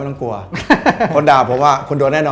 เพราะผมอารัก